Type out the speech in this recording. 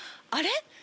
あれ？